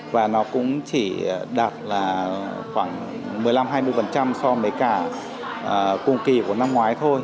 và nó cũng chỉ đạt là khoảng một mươi năm hai mươi so với cả cùng kỳ của năm ngoái thôi